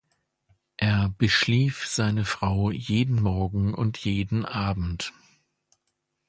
Er beschlief seine Frau jeden Morgen und jeden Abend.